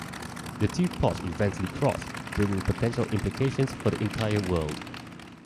The two plots eventually cross, bringing potential implications for the entire world.